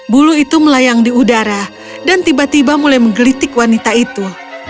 bulu itu melayang di udara dan tiba tiba mulai menggelitik wanita itu